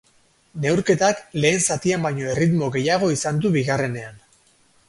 Neurketak lehen zatian baino erritmo gehiago izan du bigarrenean.